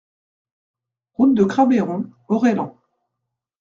Route de Crabeyron, Aureilhan